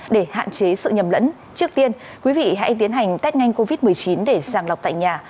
để hạn chế sự nhầm lẫn trước tiên quý vị hãy tiến hành test nhanh covid một mươi chín để sàng lọc tại nhà